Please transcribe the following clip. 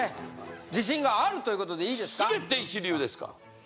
自信があるということでいいですか？